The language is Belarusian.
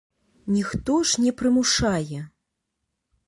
Ніхто ж не прымушае.